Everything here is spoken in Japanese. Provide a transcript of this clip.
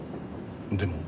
でも。